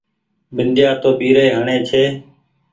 بنديآ تو ٻيري هڻي ڇي۔